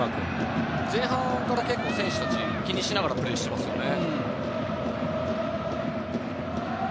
前半から結構、選手たち気にしながらプレーしてますよね。